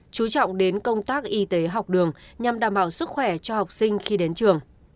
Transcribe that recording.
chú trọng đến công tác y tế học đường nhằm đảm bảo sức khỏe cho học sinh khi đến trường